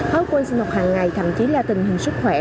hối sinh học hàng ngày thậm chí là tình hình sức khỏe